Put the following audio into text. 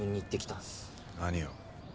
何を？